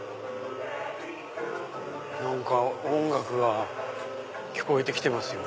何か音楽が聞こえてきてますよ。